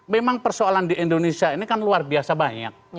memang persoalan di indonesia ini kan luar biasa banyak